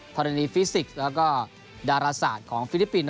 รณีฟิสิกส์แล้วก็ดาราศาสตร์ของฟิลิปปินส์